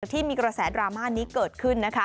ที่มีกระแสดราม่านี้เกิดขึ้นนะคะ